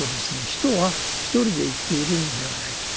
人は一人で生きているのではないと。